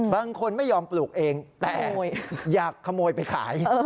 บางคนไม่ยอมปลูกเองแต่อยากขโมยไปขาย